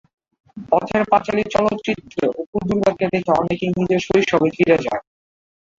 পথের পাঁচালী চলচ্চিত্রে অপু-দুর্গাকে দেখে অনেকেই নিজের শৈশবে ফিরে যায়।